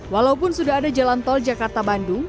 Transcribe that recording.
walaupun sudah ada jalan tol jakarta bandung